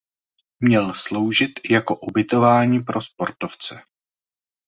Měl sloužit jako ubytování pro sportovce.